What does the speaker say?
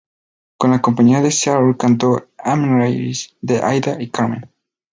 Con la compañía de Seattle cantó "Amneris" de Aida y Carmen.